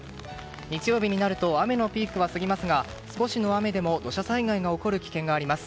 日曜日になると雨のピークは過ぎますが少しの雨でも土砂災害が起こる危険があります。